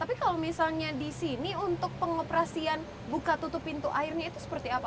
tapi kalau misalnya di sini untuk pengoperasian buka tutup pintu airnya itu seperti apa